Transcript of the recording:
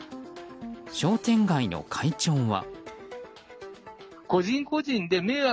商店街の会長は。